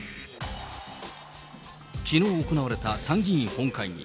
きのう行われた参議院本会議。